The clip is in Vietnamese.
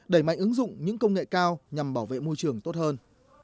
đẩy mạnh ứng dụng những công nghệ cao nhằm bảo vệ môi trường tốt hơn